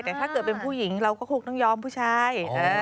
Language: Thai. แต่ถ้าเกิดเป็นผู้หญิงเราก็คงต้องยอมผู้ชาย